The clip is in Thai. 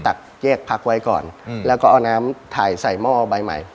ตักแยกพักไว้ก่อนแล้วก็เอาน้ำถ่ายใส่หม้อใบใหม่